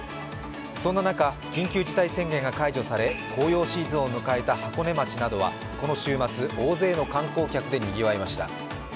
そんな中、緊急事態宣言が解除され紅葉シーズンを迎えた箱根町などはこの週末、大勢の観光客でにぎわいました。